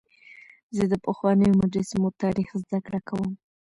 زه د پخوانیو مجسمو تاریخ زدهکړه کوم.